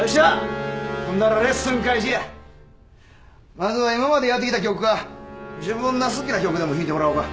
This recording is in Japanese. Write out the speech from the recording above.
まずは今までやってきた曲か自分が好きな曲でも弾いてもらおうか。